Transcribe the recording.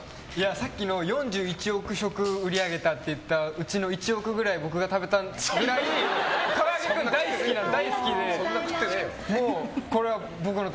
さっきの４１億食売り上げたっていううちの１億ぐらい、僕が食べたぐらいいいことばかりじゃない。